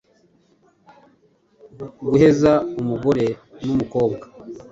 Guheza umugore n’umukobwa